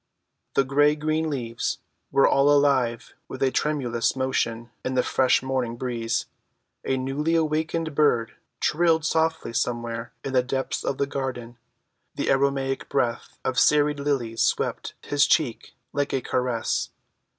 The gray‐green leaves were all alive with a tremulous motion in the fresh morning breeze; a newly‐awakened bird trilled softly somewhere in the depths of the garden; the aromatic breath of serried lilies swept his cheek like a caress.